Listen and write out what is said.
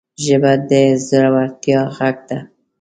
ژبه د زړورتیا غږ ده